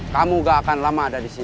kamu gak akan lama ada di sini